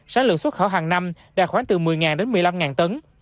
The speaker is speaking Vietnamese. sáng lượng xuất khẩu hàng năm đạt khoảng từ một mươi đến một mươi năm tấn